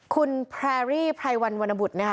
คุณแพรรี่ไพรวันวรรณบุตรนะคะ